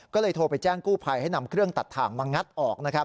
ก็เลยโทรไปแจ้งกู้ภัยให้นำเครื่องตัดถ่างมางัดออกนะครับ